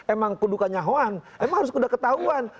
emang kundukan nyahuan emang harus kuda ketahuan